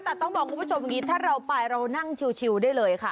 แต่ต้องบอกคุณผู้ชมอย่างนี้ถ้าเราไปเรานั่งชิวได้เลยค่ะ